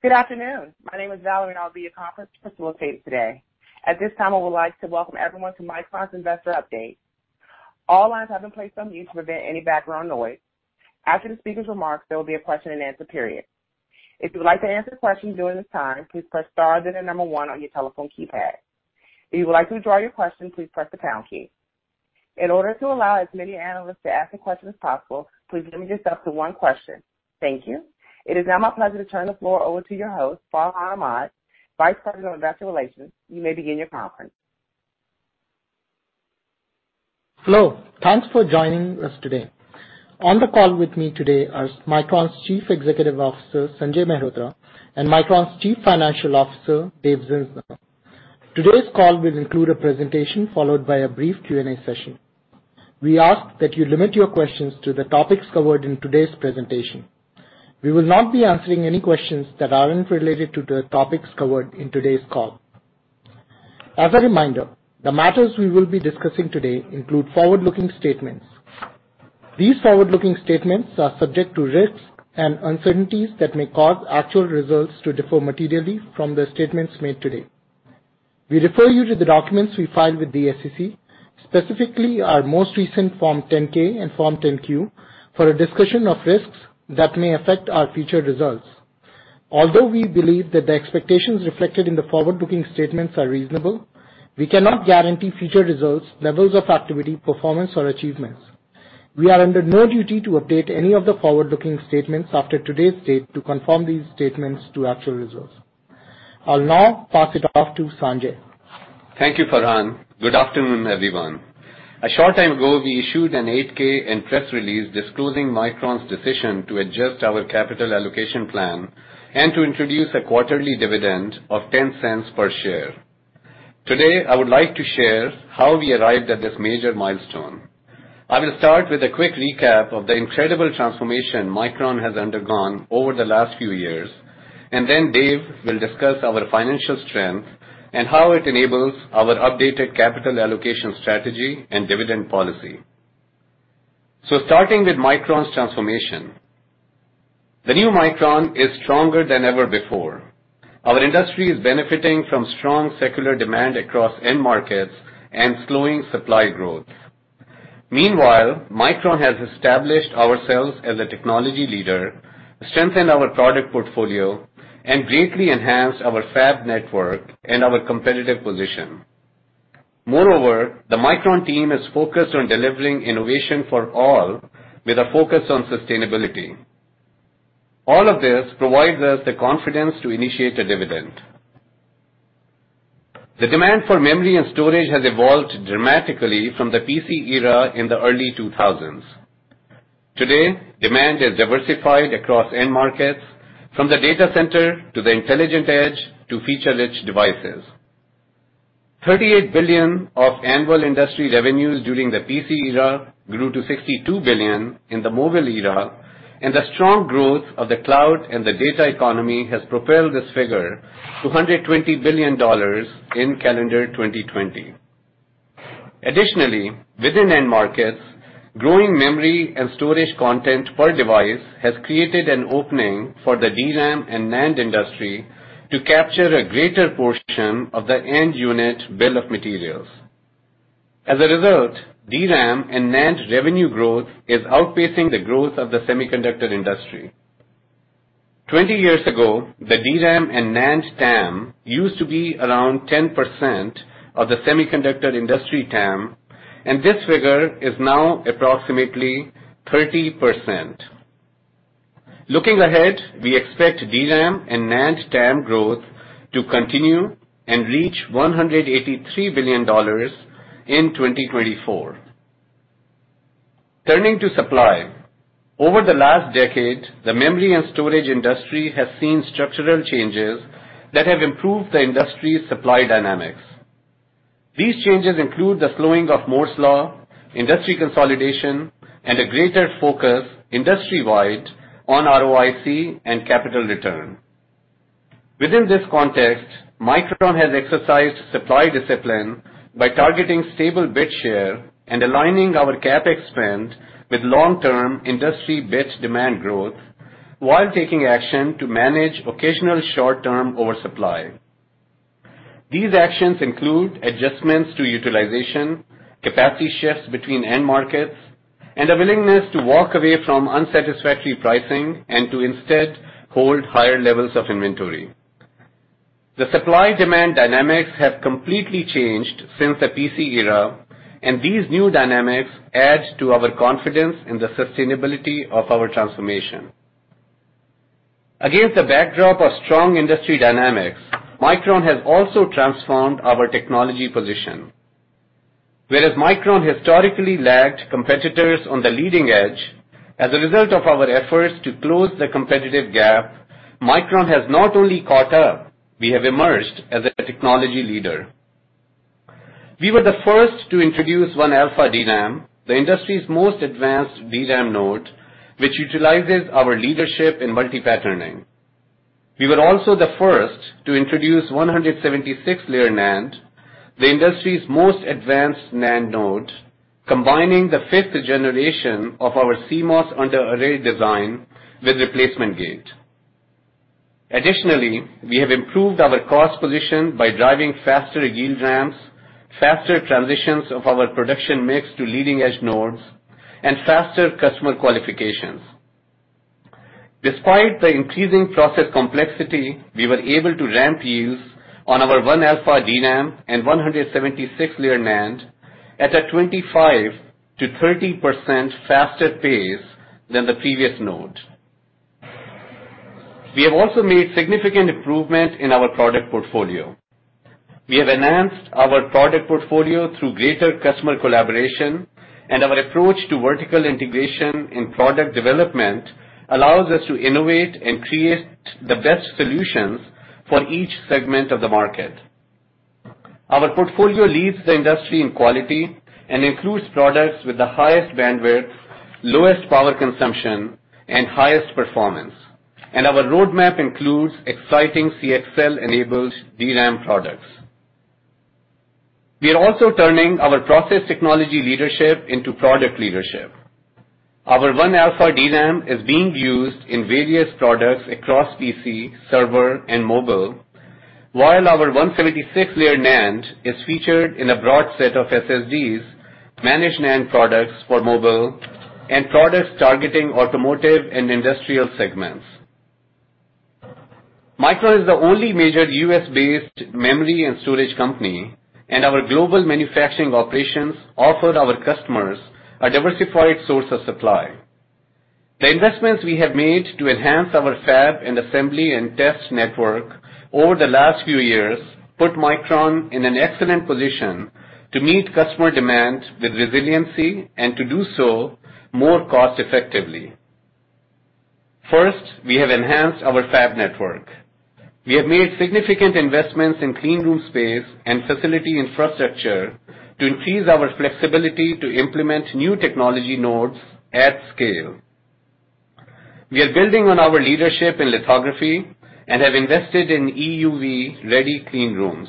Good afternoon. My name is Valerie, and I'll be your conference facilitator today. At this time, I would like to welcome everyone to Micron's Investor Update. All lines have been placed on mute to prevent any background noise. After the speaker's remarks, there will be a question and answer period. If you would like to answer questions during this time, please press star, then the number one on your telephone keypad. If you would like to withdraw your question, please press the pound key. In order to allow as many analysts to ask a question as possible, please limit yourself to one question. Thank you. It is now my pleasure to turn the floor over to your host, Farhan Ahmad, Vice President of Investor Relations. You may begin your conference. Hello. Thanks for joining us today. On the call with me today are Micron's Chief Executive Officer, Sanjay Mehrotra, and Micron's Chief Financial Officer, Dave Zinsner. Today's call will include a presentation, followed by a brief Q&A session. We ask that you limit your questions to the topics covered in today's presentation. We will not be answering any questions that aren't related to the topics covered in today's call. As a reminder, the matters we will be discussing today include forward-looking statements. These forward-looking statements are subject to risks and uncertainties that may cause actual results to differ materially from the statements made today. We refer you to the documents we filed with the SEC, specifically our most recent Form 10-K and Form 10-Q, for a discussion of risks that may affect our future results. Although we believe that the expectations reflected in the forward-looking statements are reasonable, we cannot guarantee future results, levels of activity, performance, or achievements. We are under no duty to update any of the forward-looking statements after today's date to confirm these statements to actual results. I'll now pass it off to Sanjay. Thank you, Farhan. Good afternoon, everyone. A short time ago, we issued an 8-K and press release disclosing Micron's decision to adjust our capital allocation plan and to introduce a quarterly dividend of $0.10 per share. Today, I would like to share how we arrived at this major milestone. I will start with a quick recap of the incredible transformation Micron has undergone over the last few years. Dave will discuss our financial strength and how it enables our updated capital allocation strategy and dividend policy. Starting with Micron's transformation. The new Micron is stronger than ever before. Our industry is benefiting from strong secular demand across end markets and slowing supply growth. Meanwhile, Micron has established ourselves as a technology leader, strengthened our product portfolio, and greatly enhanced our fab network and our competitive position. Moreover, the Micron team is focused on delivering innovation for all with a focus on sustainability. All of this provides us the confidence to initiate a dividend. The demand for memory and storage has evolved dramatically from the PC era in the early 2000s. Today, demand is diversified across end markets from the data center to the intelligent edge to feature-rich devices. $38 billion of annual industry revenues during the PC era grew to $62 billion in the mobile era, and the strong growth of the cloud and the data economy has propelled this figure to $120 billion in calendar 2020. Additionally, within end markets, growing memory and storage content per device has created an opening for the DRAM and NAND industry to capture a greater portion of the end unit bill of materials. As a result, DRAM and NAND revenue growth is outpacing the growth of the semiconductor industry. 20 years ago, the DRAM and NAND TAM used to be around 10% of the semiconductor industry TAM, and this figure is now approximately 30%. Looking ahead, we expect DRAM and NAND TAM growth to continue and reach $183 billion in 2024. Turning to supply. Over the last decade, the memory and storage industry has seen structural changes that have improved the industry's supply dynamics. These changes include the slowing of Moore's Law, industry consolidation, and a greater focus industry-wide on ROIC and capital return. Within this context, Micron has exercised supply discipline by targeting stable bit share and aligning our CapEx spend with long-term industry bit demand growth while taking action to manage occasional short-term oversupply. These actions include adjustments to utilization, capacity shifts between end markets, and a willingness to walk away from unsatisfactory pricing and to instead hold higher levels of inventory. The supply-demand dynamics have completely changed since the PC era, and these new dynamics add to our confidence in the sustainability of our transformation. Against the backdrop of strong industry dynamics, Micron has also transformed our technology position. Whereas Micron historically lagged competitors on the leading edge, as a result of our efforts to close the competitive gap, Micron has not only caught up, we have emerged as a technology leader. We were the first to introduce 1-alpha DRAM, the industry's most advanced DRAM node, which utilizes our leadership in multi-patterning. We were also the first to introduce 176-layer NAND. The industry's most advanced NAND node, combining the fifth generation of our CMOS under array design with replacement gate. Additionally, we have improved our cost position by driving faster yield ramps, faster transitions of our production mix to leading-edge nodes, and faster customer qualifications. Despite the increasing process complexity, we were able to ramp yields on our 1α DRAM and 176-layer NAND at a 25%-30% faster pace than the previous node. We have also made significant improvements in our product portfolio. We have enhanced our product portfolio through greater customer collaboration. Our approach to vertical integration in product development allows us to innovate and create the best solutions for each segment of the market. Our portfolio leads the industry in quality and includes products with the highest bandwidth, lowest power consumption, and highest performance. Our roadmap includes exciting CXL-enabled DRAM products. We are also turning our process technology leadership into product leadership. Our 1α DRAM is being used in various products across PC, server, and mobile, while our 176-layer NAND is featured in a broad set of SSDs, managed NAND products for mobile, and products targeting automotive and industrial segments. Micron is the only major U.S.-based memory and storage company, and our global manufacturing operations offer our customers a diversified source of supply. The investments we have made to enhance our fab and assembly and test network over the last few years put Micron in an excellent position to meet customer demand with resiliency and to do so more cost effectively. First, we have enhanced our fab network. We have made significant investments in clean room space and facility infrastructure to increase our flexibility to implement new technology nodes at scale. We are building on our leadership in lithography and have invested in EUV-ready clean rooms.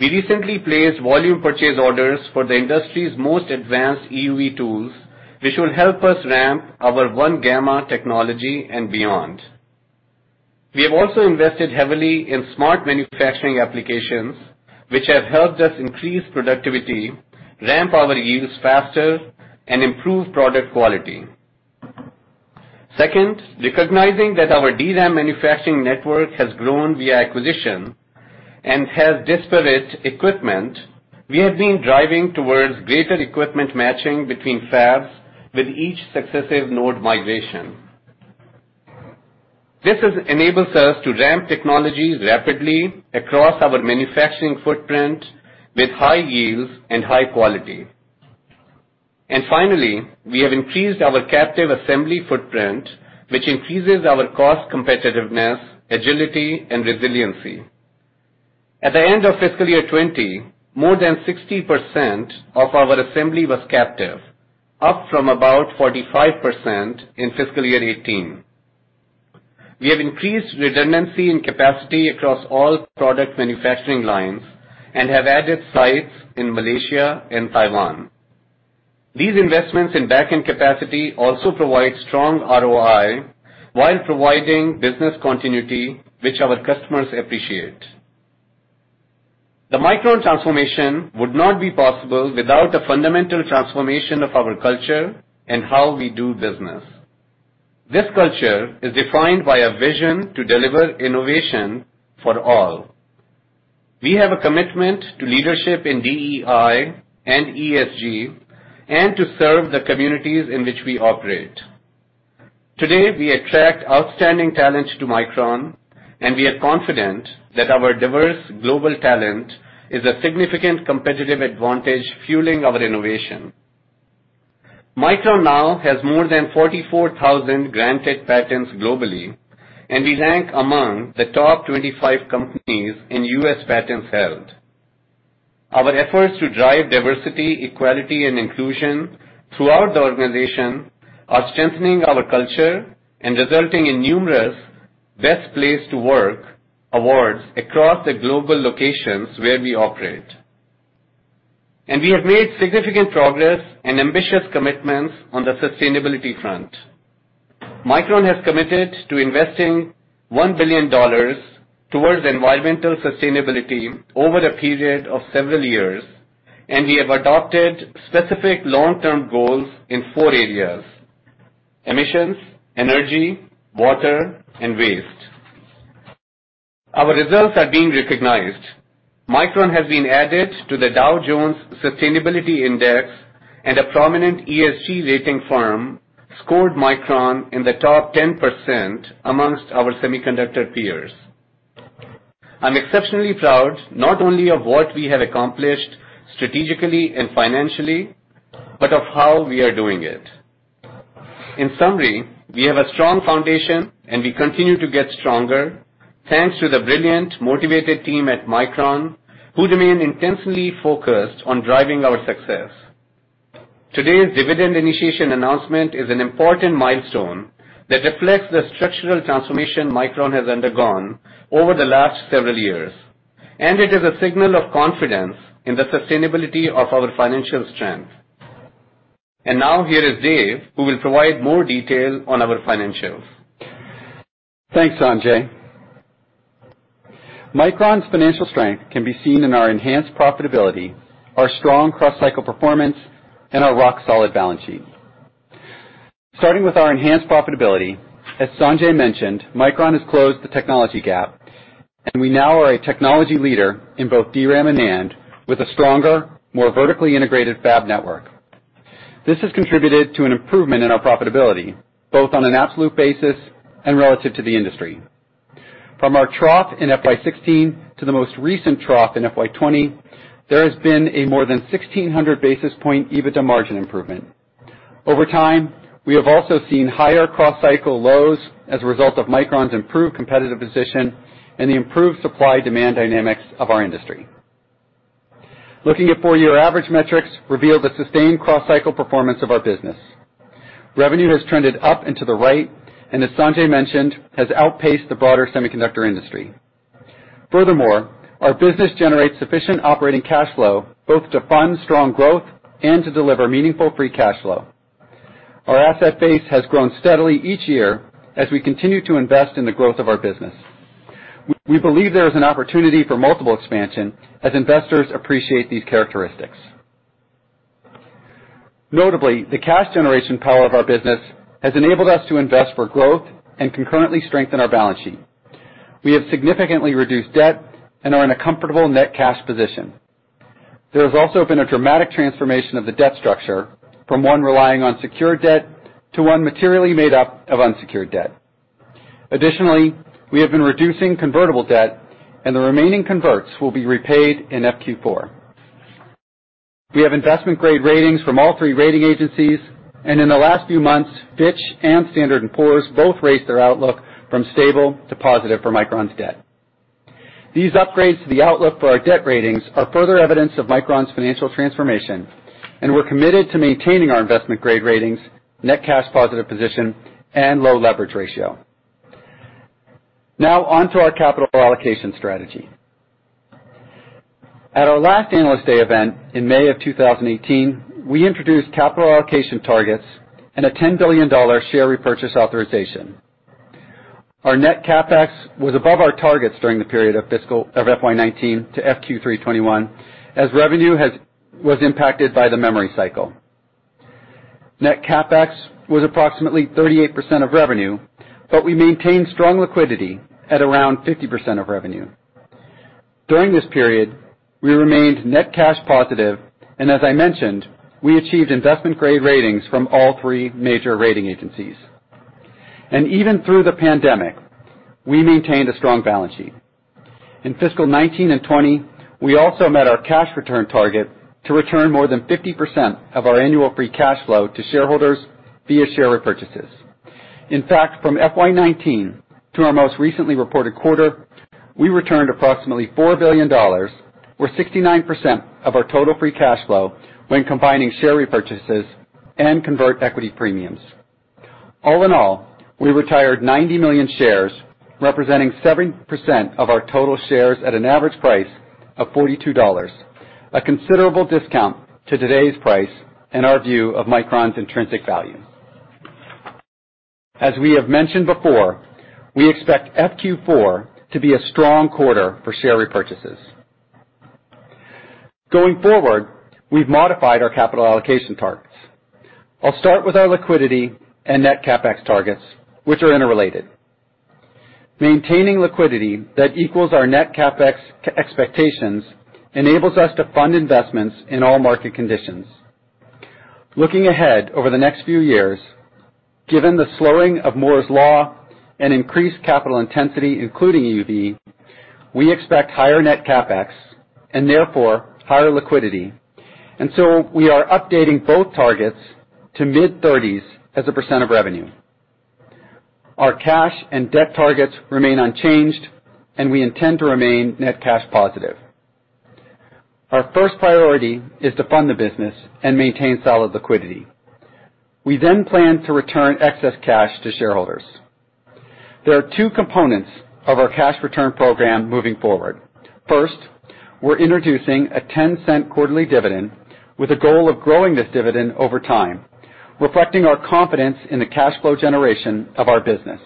We recently placed volume purchase orders for the industry's most advanced EUV tools, which will help us ramp our 1γ technology and beyond. We have also invested heavily in smart manufacturing applications, which have helped us increase productivity, ramp our yields faster, and improve product quality. Second, recognizing that our DRAM manufacturing network has grown via acquisition and has disparate equipment, we have been driving towards greater equipment matching between fabs with each successive node migration. This enables us to ramp technologies rapidly across our manufacturing footprint with high yields and high quality. Finally, we have increased our captive assembly footprint, which increases our cost competitiveness, agility, and resiliency. At the end of fiscal year 2020, more than 60% of our assembly was captive, up from about 45% in fiscal year 2018. We have increased redundancy and capacity across all product manufacturing lines and have added sites in Malaysia and Taiwan. These investments in back-end capacity also provide strong ROI while providing business continuity, which our customers appreciate. The Micron transformation would not be possible without a fundamental transformation of our culture and how we do business. This culture is defined by a vision to deliver innovation for all. We have a commitment to leadership in DEI and ESG and to serve the communities in which we operate. Today, we attract outstanding talent to Micron, and we are confident that our diverse global talent is a significant competitive advantage, fueling our innovation. Micron now has more than 44,000 granted patents globally, and we rank among the top 25 companies in U.S. patents held. Our efforts to drive diversity, equality, and inclusion throughout the organization are strengthening our culture and resulting in numerous best place to work awards across the global locations where we operate. We have made significant progress and ambitious commitments on the sustainability front. Micron has committed to investing $1 billion towards environmental sustainability over a period of several years. We have adopted specific long-term goals in four areas: emissions, energy, water, and waste. Our results are being recognized. Micron has been added to the Dow Jones Sustainability Index. A prominent ESG rating firm scored Micron in the top 10% amongst our semiconductor peers. I'm exceptionally proud not only of what we have accomplished strategically and financially, but of how we are doing it. In summary, we have a strong foundation. We continue to get stronger, thanks to the brilliant, motivated team at Micron, who remain intensely focused on driving our success. Today's dividend initiation announcement is an important milestone that reflects the structural transformation Micron has undergone over the last several years. It is a signal of confidence in the sustainability of our financial strength. Now here is Dave, who will provide more detail on our financials. Thanks, Sanjay. Micron's financial strength can be seen in our enhanced profitability, our strong cross-cycle performance, and our rock-solid balance sheet. Starting with our enhanced profitability, as Sanjay mentioned, Micron has closed the technology gap, and we now are a technology leader in both DRAM and NAND, with a stronger, more vertically integrated fab network. This has contributed to an improvement in our profitability, both on an absolute basis and relative to the industry. From our trough in FY 2016 to the most recent trough in FY 2020, there has been a more than 1,600 basis point EBITDA margin improvement. Over time, we have also seen higher cross-cycle lows as a result of Micron's improved competitive position and the improved supply-demand dynamics of our industry. Looking at four-year average metrics reveal the sustained cross-cycle performance of our business. Revenue has trended up and to the right, and as Sanjay mentioned, has outpaced the broader semiconductor industry. Furthermore, our business generates sufficient operating cash flow both to fund strong growth and to deliver meaningful free cash flow. Our asset base has grown steadily each year as we continue to invest in the growth of our business. We believe there is an opportunity for multiple expansion as investors appreciate these characteristics. Notably, the cash generation power of our business has enabled us to invest for growth and concurrently strengthen our balance sheet. We have significantly reduced debt and are in a comfortable net cash position. There has also been a dramatic transformation of the debt structure from one relying on secured debt to one materially made up of unsecured debt. Additionally, we have been reducing convertible debt, and the remaining converts will be repaid in FQ4. We have investment-grade ratings from all thee rating agencies, and in the last few months, Fitch and Standard & Poor's both raised their outlook from stable to positive for Micron's debt. These upgrades to the outlook for our debt ratings are further evidence of Micron's financial transformation, and we're committed to maintaining our investment-grade ratings, net cash positive position, and low leverage ratio. Now on to our capital allocation strategy. At our last Analyst Day event in May 2018, we introduced capital allocation targets and a $10 billion share repurchase authorization. Our net CapEx was above our targets during the period of FY 2019-FQ3 2021, as revenue was impacted by the memory cycle. Net CapEx was approximately 38% of revenue, but we maintained strong liquidity at around 50% of revenue. During this period, we remained net cash positive, and as I mentioned, we achieved investment-grade ratings from all three major rating agencies. Even through the pandemic, we maintained a strong balance sheet. In fiscal 2019 and 2020, we also met our cash return target to return more than 50% of our annual free cash flow to shareholders via share repurchases. In fact, from FY 2019 to our most recently reported quarter, we returned approximately $4 billion, or 69%, of our total free cash flow when combining share repurchases and convert equity premiums. All in all, we retired 90 million shares, representing 7% of our total shares at an average price of $42, a considerable discount to today's price and our view of Micron's intrinsic value. As we have mentioned before, we expect FQ4 to be a strong quarter for share repurchases. Going forward, we've modified our capital allocation targets. I'll start with our liquidity and net CapEx targets, which are interrelated. Maintaining liquidity that equals our net CapEx expectations enables us to fund investments in all market conditions. Looking ahead over the next few years, given the slowing of Moore's Law and increased capital intensity, including EUV, we expect higher net CapEx and therefore higher liquidity. We are updating both targets to mid-30s as a percentage of revenue. Our cash and debt targets remain unchanged, and we intend to remain net cash positive. Our first priority is to fund the business and maintain solid liquidity. We then plan to return excess cash to shareholders. There are two components of our cash return program moving forward. First, we're introducing a $0.10 quarterly dividend with a goal of growing this dividend over time, reflecting our confidence in the cash flow generation of our business.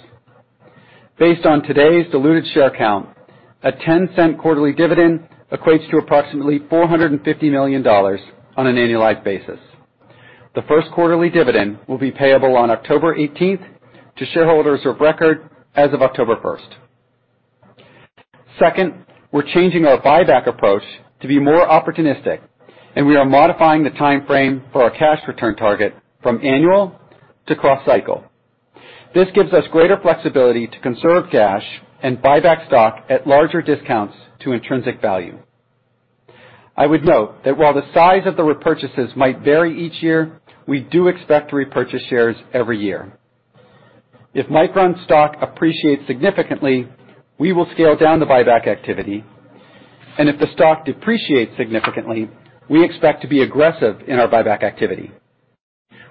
Based on today's diluted share count, a $0.10 quarterly dividend equates to approximately $450 million on an annualized basis. The first quarterly dividend will be payable on October 18th to shareholders of record as of October 1st. Second, we're changing our buyback approach to be more opportunistic, and we are modifying the timeframe for our cash return target from annual to cross-cycle. This gives us greater flexibility to conserve cash and buy back stock at larger discounts to intrinsic value. I would note that while the size of the repurchases might vary each year, we do expect to repurchase shares every year. If Micron's stock appreciates significantly, we will scale down the buyback activity, and if the stock depreciates significantly, we expect to be aggressive in our buyback activity.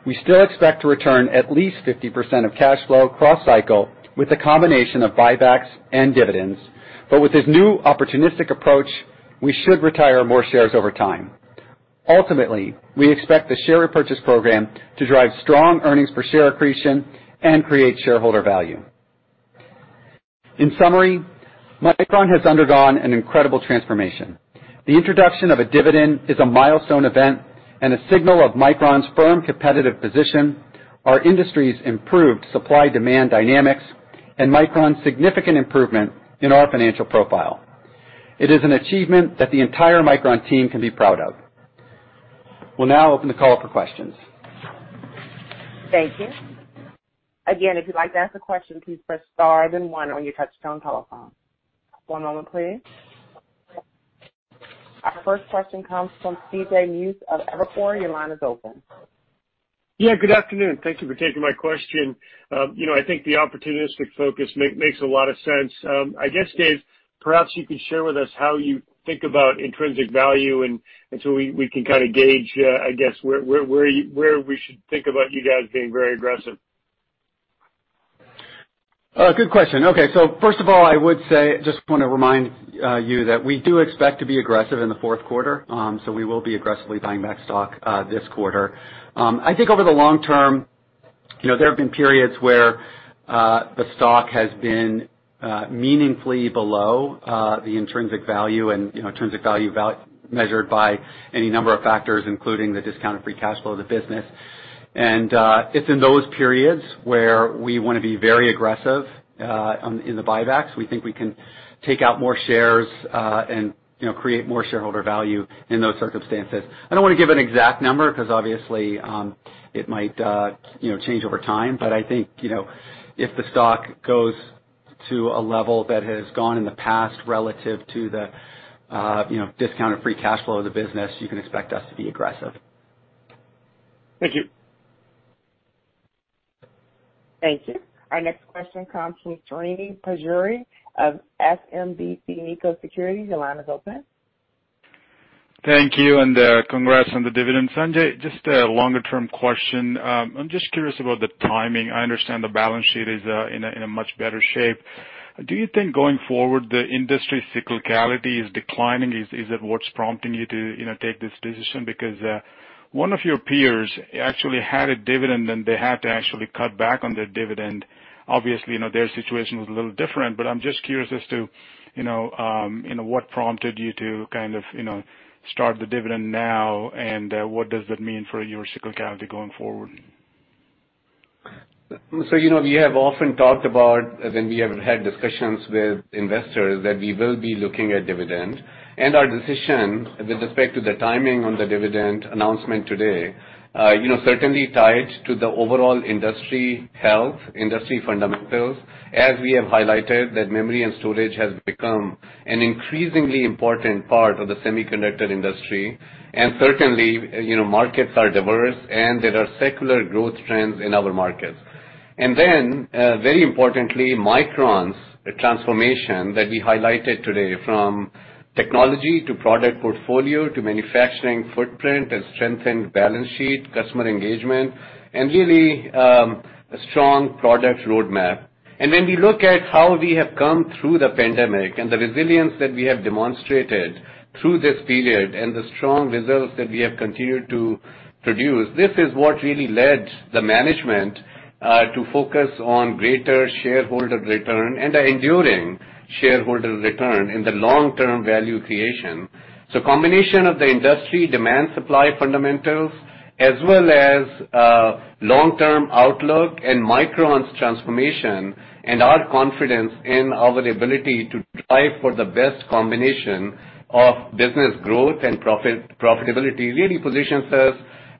We still expect to return at least 50% of cash flow cross-cycle with a combination of buybacks and dividends. With this new opportunistic approach, we should retire more shares over time. Ultimately, we expect the share repurchase program to drive strong earnings per share accretion and create shareholder value. In summary, Micron has undergone an incredible transformation. The introduction of a dividend is a milestone event and a signal of Micron's firm competitive position, our industry's improved supply-demand dynamics, and Micron's significant improvement in our financial profile. It is an achievement that the entire Micron team can be proud of. We'll now open the call for questions. Thank you. Our first question comes from C.J. Muse of Evercore. Good afternoon. Thank you for taking my question. I think the opportunistic focus makes a lot of sense. I guess, Dave, perhaps you could share with us how you think about intrinsic value, and so we can gauge, I guess, where we should think about you guys being very aggressive. Good question. Okay, first of all, I would say, just want to remind you that we do expect to be aggressive in the fourth quarter. We will be aggressively buying back stock this quarter. I think over the long term, there have been periods where the stock has been meaningfully below the intrinsic value, and intrinsic value measured by any number of factors, including the discounted free cash flow of the business. It's in those periods where we want to be very aggressive in the buybacks. We think we can take out more shares and create more shareholder value in those circumstances. I don't want to give an exact number because obviously, it might change over time. I think, if the stock goes to a level that has gone in the past relative to the discounted free cash flow of the business, you can expect us to be aggressive. Thank you. Thank you. Our next question comes from Srini Pajjuri of SMBC Nikko Securities. Your line is open. Thank you. Congrats on the dividend. Sanjay, just a longer-term question. I'm just curious about the timing. I understand the balance sheet is in a much better shape. Do you think going forward, the industry cyclicality is declining? Is it what's prompting you to take this decision? One of your peers actually had a dividend, and they had to actually cut back on their dividend. Obviously, their situation was a little different, but I'm just curious as to what prompted you to kind of start the dividend now, and what does that mean for your cyclicality going forward? We have often talked about, we have had discussions with investors that we will be looking at dividend. Our decision with respect to the timing on the dividend announcement today, certainly tied to the overall industry health, industry fundamentals, as we have highlighted that memory and storage has become an increasingly important part of the semiconductor industry. Certainly, markets are diverse, and there are secular growth trends in our markets. Very importantly, Micron's transformation that we highlighted today, from technology to product portfolio, to manufacturing footprint and strengthened balance sheet, customer engagement, and really, a strong product roadmap. When we look at how we have come through the pandemic and the resilience that we have demonstrated through this period and the strong results that we have continued to produce, this is what really led the management to focus on greater shareholder return and the enduring shareholder return in the long-term value creation. Combination of the industry demand-supply fundamentals, as well as long-term outlook and Micron's transformation and our confidence in our ability to drive for the best combination of business growth and profitability really positions us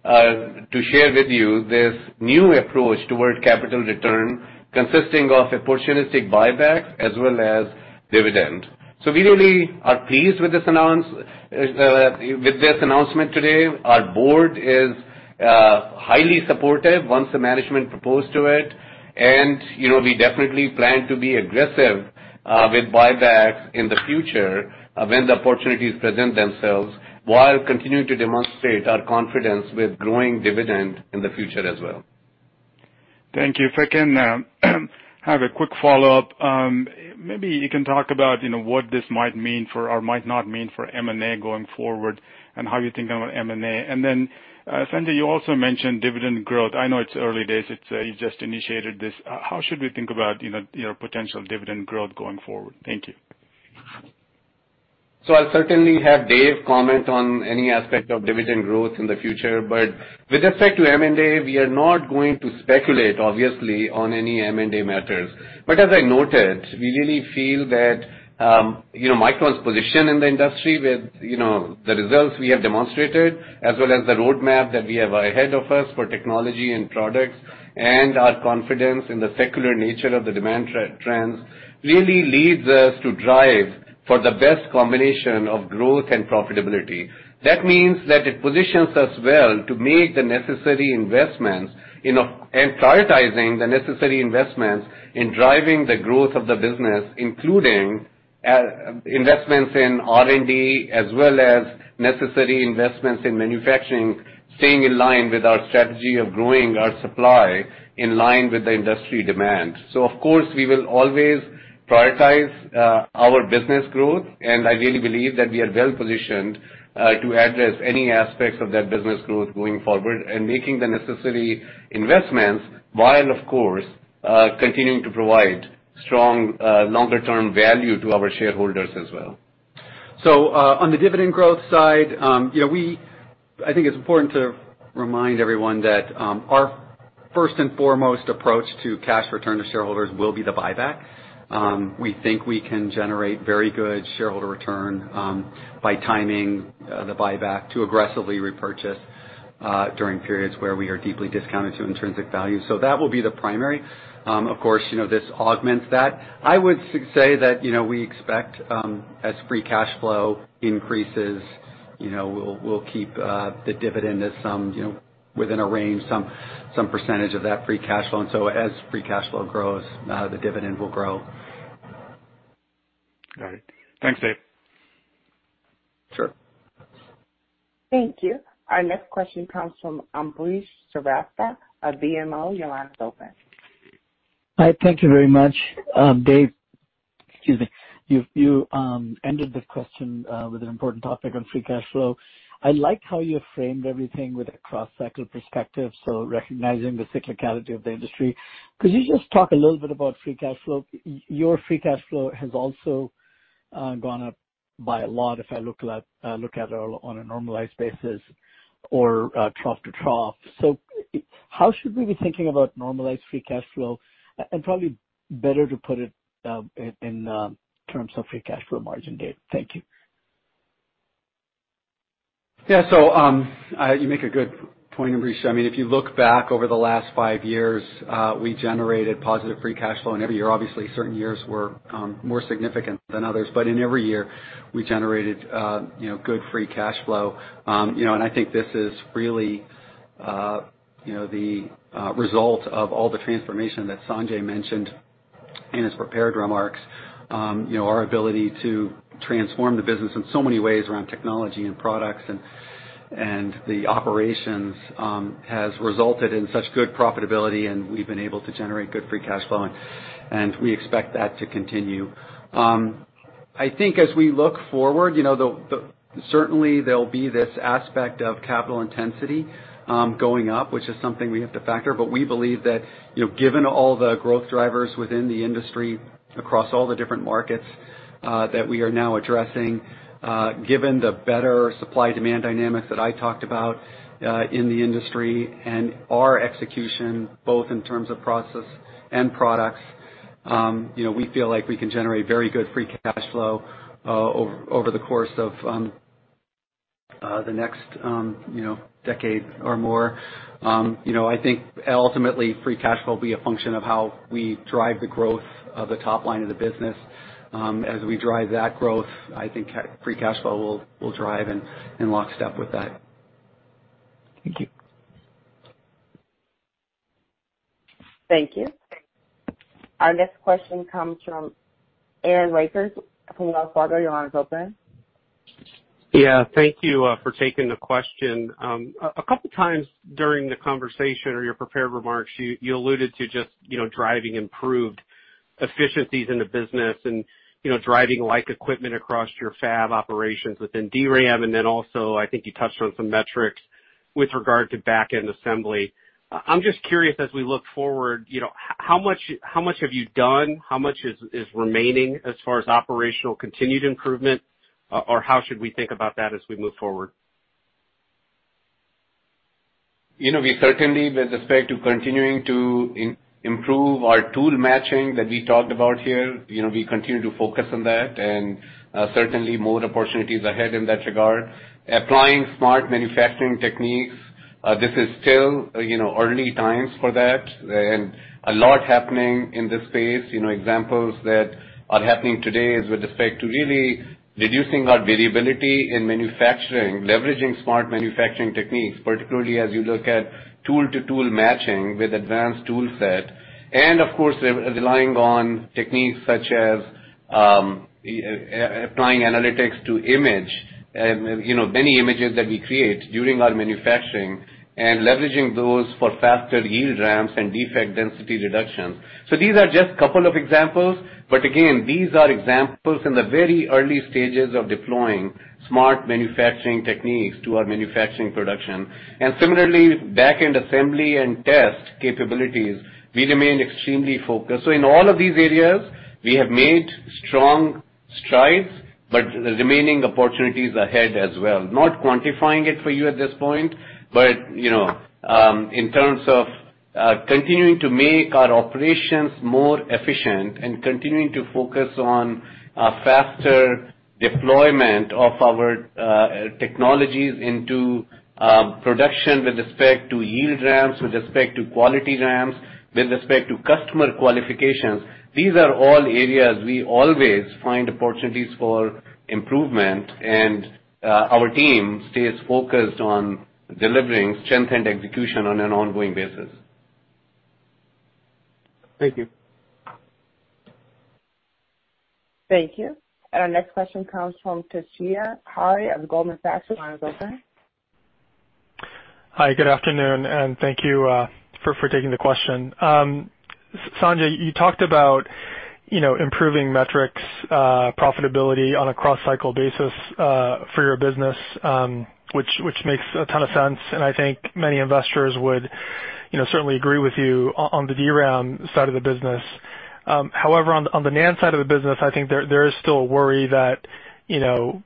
to share with you this new approach towards capital return consisting of opportunistic buyback as well as dividend. We really are pleased with this announcement today. Our board is highly supportive once the management proposed to it. We definitely plan to be aggressive with buybacks in the future when the opportunities present themselves while continuing to demonstrate our confidence with growing dividend in the future as well. Thank you. If I can have a quick follow-up. Maybe you can talk about what this might mean for or might not mean for M&A going forward, and how you're thinking about M&A. Sanjay, you also mentioned dividend growth. I know it's early days. You just initiated this. How should we think about potential dividend growth going forward? Thank you. I'll certainly have Dave comment on any aspect of dividend growth in the future. With respect to M&A, we are not going to speculate, obviously, on any M&A matters. As I noted, we really feel that Micron's position in the industry with the results we have demonstrated, as well as the roadmap that we have ahead of us for technology and products, and our confidence in the secular nature of the demand trends, really leads us to drive for the best combination of growth and profitability. That means that it positions us well to make the necessary investments and prioritizing the necessary investments in driving the growth of the business, including investments in R&D as well as necessary investments in manufacturing, staying in line with our strategy of growing our supply in line with the industry demand. Of course, we will always prioritize our business growth, and I really believe that we are well-positioned to address any aspects of that business growth going forward and making the necessary investments while, of course, continuing to provide strong longer-term value to our shareholders as well. On the dividend growth side, I think it's important to remind everyone that our first and foremost approach to cash return to shareholders will be the buyback. We think we can generate very good shareholder return by timing the buyback to aggressively repurchase during periods where we are deeply discounted to intrinsic value. That will be the primary. Of course, this augments that. I would say that we expect as free cash flow increases, we'll keep the dividend at within a range, some percentage of that free cash flow. As free cash flow grows, the dividend will grow. Got it. Thanks, Dave. Sure. Thank you. Our next question comes from Ambrish Srivastava of BMO Capital Markets. Your line's open. Hi, thank you very much. Dave, excuse me. You ended the question with an important topic on free cash flow. I like how you framed everything with a cross-cycle perspective, recognizing the cyclicality of the industry. Could you just talk a little bit about free cash flow? Your free cash flow has also gone up by a lot if I look at it on a normalized basis or trough to trough. How should we be thinking about normalized free cash flow? Probably better to put it in terms of free cash flow margin, Dave. Thank you. Yeah. You make a good point, Ambrish. If you look back over the last five years, we generated positive free cash flow in every year. Obviously, certain years were more significant than others, but in every year, we generated good free cash flow. I think this is really the result of all the transformation that Sanjay mentioned in his prepared remarks. Our ability to transform the business in so many ways around technology and products and the operations has resulted in such good profitability, and we've been able to generate good free cash flow, and we expect that to continue. I think as we look forward, certainly, there'll be this aspect of capital intensity going up, which is something we have to factor, but we believe that given all the growth drivers within the industry, across all the different markets that we are now addressing, given the better supply-demand dynamics that I talked about in the industry and our execution, both in terms of process and products, we feel like we can generate very good free cash flow over the course of the next decade or more. I think ultimately, free cash flow will be a function of how we drive the growth of the top line of the business. As we drive that growth, I think free cash flow will drive in lockstep with that. Thank you. Thank you. Our next question comes from Aaron Rakers from Wells Fargo. Your line is open. Yeah. Thank you for taking the question. A couple of times during the conversation or your prepared remarks, you alluded to just driving improved efficiencies in the business and driving like equipment across your fab operations within DRAM. Then also I think you touched on some metrics with regard to back-end assembly. I'm just curious, as we look forward, how much have you done? How much is remaining as far as operational continued improvement, or how should we think about that as we move forward? We certainly, with respect to continuing to improve our tool matching that we talked about here, we continue to focus on that and certainly more opportunities ahead in that regard. Applying smart manufacturing techniques, this is still early times for that and a lot happening in this space. Examples that are happening today is with respect to really reducing our variability in manufacturing, leveraging smart manufacturing techniques, particularly as you look at tool-to-tool matching with advanced tool set. Of course, relying on techniques such as applying analytics to image, many images that we create during our manufacturing, and leveraging those for faster yield ramps and defect density reduction. These are just couple of examples, but again, these are examples in the very early stages of deploying smart manufacturing techniques to our manufacturing production. Similarly, back-end assembly and test capabilities, we remain extremely focused. In all of these areas, we have made strong strides, but remaining opportunities ahead as well. Not quantifying it for you at this point, but in terms of continuing to make our operations more efficient and continuing to focus on faster deployment of our technologies into production with respect to yield ramps, with respect to quality ramps, with respect to customer qualifications, these are all areas we always find opportunities for improvement, and our team stays focused on delivering strengthened execution on an ongoing basis. Thank you. Thank you. Our next question comes from Toshiya Hari of Goldman Sachs. Hi. Good afternoon, and thank you for taking the question. Sanjay, you talked about improving metrics, profitability on a cross-cycle basis for your business, which makes a ton of sense, and I think many investors would certainly agree with you on the DRAM side of the business. However, on the NAND side of the business, I think there is still a worry that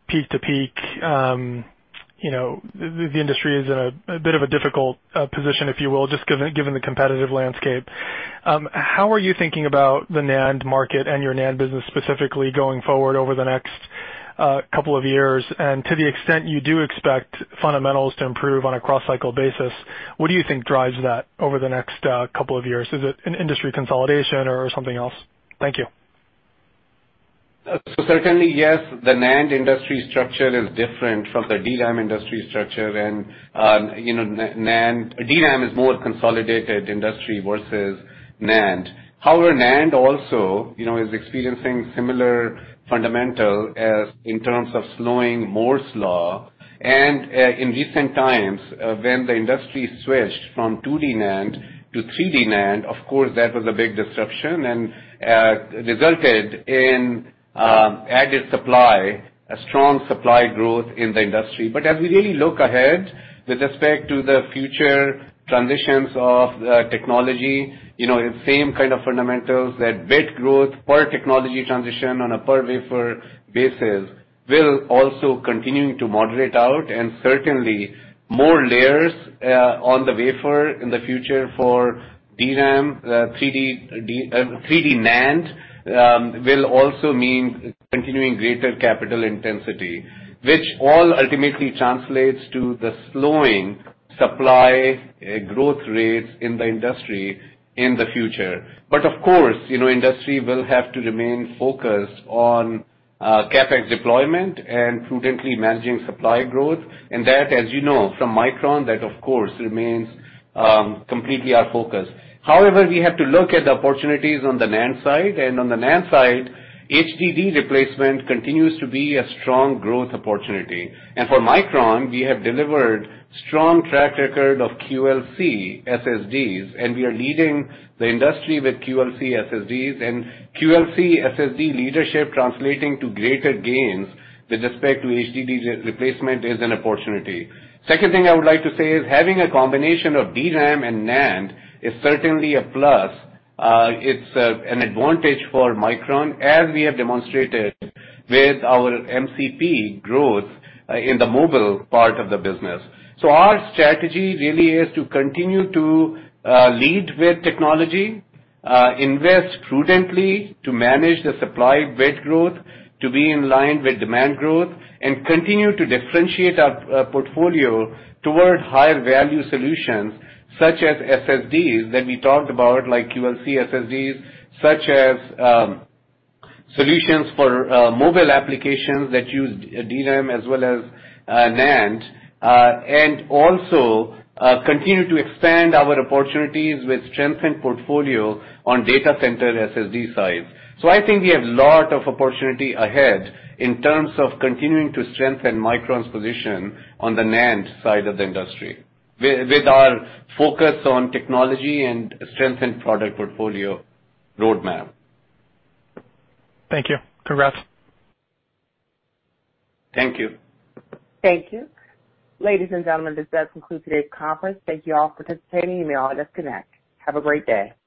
peak to peak, the industry is in a bit of a difficult position, if you will, just given the competitive landscape. How are you thinking about the NAND market and your NAND business specifically going forward over the next couple of years? To the extent you do expect fundamentals to improve on a cross-cycle basis, what do you think drives that over the next couple of years? Is it an industry consolidation or something else? Thank you. Certainly, yes, the NAND industry structure is different from the DRAM industry structure and DRAM is more consolidated industry versus NAND. However, NAND also is experiencing similar fundamentals in terms of slowing Moore's Law. In recent times, when the industry switched from 2D NAND to 3D NAND, of course, that was a big disruption and resulted in added supply, a strong supply growth in the industry. As we really look ahead with respect to the future transitions of the technology, it's same kind of fundamentals that bit growth per technology transition on a per wafer basis will also continue to moderate out, and certainly more layers on the wafer in the future for DRAM, 3D NAND, will also mean continuing greater capital intensity, which all ultimately translates to the slowing supply growth rates in the industry in the future. Of course, industry will have to remain focused on CapEx deployment and prudently managing supply growth. That, as you know, from Micron, that of course remains completely our focus. However, we have to look at the opportunities on the NAND side. On the NAND side, HDD replacement continues to be a strong growth opportunity. For Micron, we have delivered strong track record of QLC SSDs, and we are leading the industry with QLC SSDs and QLC SSD leadership translating to greater gains with respect to HDD replacement is an opportunity. Second thing I would like to say is having a combination of DRAM and NAND is certainly a plus. It's an advantage for Micron, as we have demonstrated with our MCP growth in the mobile part of the business. Our strategy really is to continue to lead with technology, invest prudently to manage the supply bit growth, to be in line with demand growth, and continue to differentiate our portfolio toward higher value solutions, such as SSDs that we talked about, like QLC SSDs, such as solutions for mobile applications that use DRAM as well as NAND, and also continue to expand our opportunities with strengthened portfolio on data center SSD side. I think we have lot of opportunity ahead in terms of continuing to strengthen Micron's position on the NAND side of the industry with our focus on technology and strengthened product portfolio roadmap. Thank you. Congrats. Thank you. Thank you. Ladies and gentlemen, this does conclude today's conference. Thank you all for participating. You may all disconnect. Have a great day.